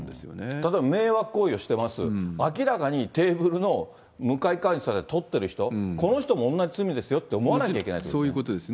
例えば迷惑行為をしてます、明らかにテーブルの向かい側に座って撮ってる人、この人も同じ罪ですよって思わなきゃいけないってことですね。